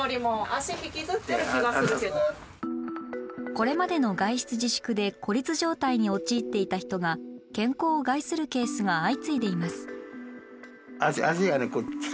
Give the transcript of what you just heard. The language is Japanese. これまでの外出自粛で孤立状態に陥っていた人が健康を害するケースが相次いでいます。